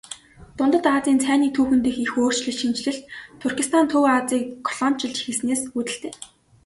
Дундад Азийн цайны түүхэн дэх их өөрчлөн шинэчлэлт Туркестан Төв Азийг колоничилж эхэлснээс үүдэлтэй.